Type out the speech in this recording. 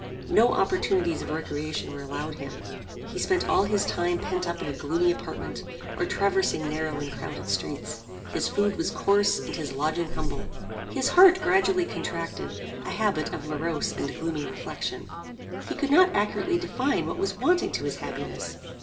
No opportunities of recreation were allowed him. He spent all his time pent up in a gloomy apartment, or traversing narrow and crowded streets. His food was coarse, and his lodging humble. His heart gradually contracted a habit of morose and gloomy reflection. He could not accurately define what was wanting to his happiness.